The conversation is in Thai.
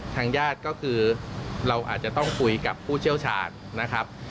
ทางญาติก็คือเราอาจจะต้องคุยกับผู้เชี่ยวชาญนะครับ